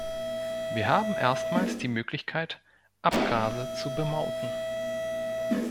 Wir haben erstmals die Möglichkeit, Abgase zu bemauten.